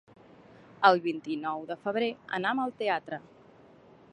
El vint-i-nou de febrer anam al teatre.